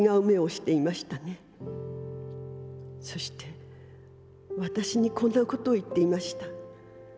そして私にこんなことを言っていました。